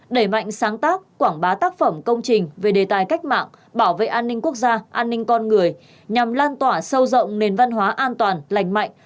đẩy mạnh sáng tác quảng bá tác phẩm công trình về đề tài cách mạng bảo vệ an ninh quốc gia an ninh con người nhằm lan tỏa sâu rộng nền văn hóa an toàn lành mạnh